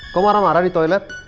kok marah marah di toilet